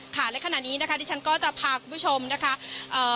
ในขณะนี้นะคะที่ฉันก็จะพาคุณผู้ชมนะคะเอ่อ